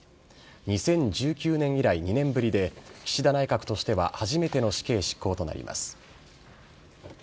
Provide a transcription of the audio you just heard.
２０１９年以来２年ぶりで、岸田内閣としては初めての死刑執行となります。